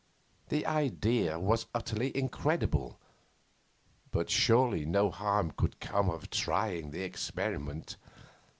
The idea was utterly incredible, but surely no harm could come of trying the experiment.